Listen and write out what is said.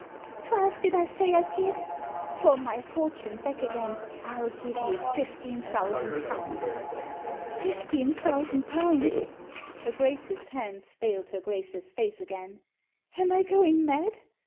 Twelve did I say I'd give ? For my fortune back again Til give you fifteen thousand pounds !"" Fifteen thousand pounds !" Her Grace's hands veiled her Grace's face again. "Am I going mad?